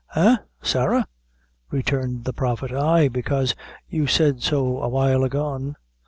"Eh? Sarah?" returned the Prophet. "Ay; bekaise you said so awhile a gone."